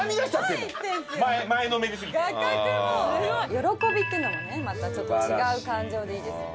喜びっていうのもねまたちょっと違う感情でいいですね。